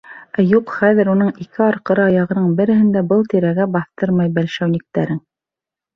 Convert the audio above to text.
Юҡ, хәҙер уның ике арҡыры аяғының береһен дә был тирәгә баҫтырмай бәлшәүниктәрең.